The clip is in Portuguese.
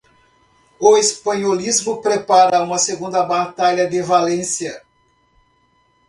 O espanholismo prepara uma segunda batalha de Valência.